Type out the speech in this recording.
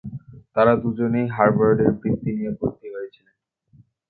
তারা দুজনেই হার্ভার্ডের বৃত্তি নিয়ে ভর্তি হয়েছিলেন।